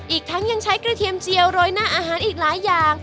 อีกทั้งยังใช้กระเทียมเจียวโรยหน้าอาหารอีกหลายอย่าง